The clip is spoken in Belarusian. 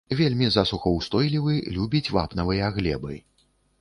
Вельмі засухаўстойлівы, любіць вапнавыя глебы.